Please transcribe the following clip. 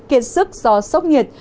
kiệt sức do sốc nhiệt